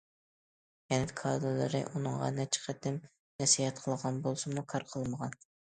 كەنت كادىرلىرى ئۇنىڭغا نەچچە قېتىم نەسىھەت قىلغان بولسىمۇ، كار قىلمىغان.